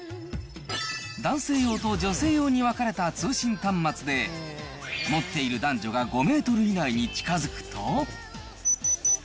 男性用と女性用に分かれた通信端末で、持っている男女が５メートル以内に近づくと。